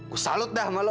gue salut dah sama lu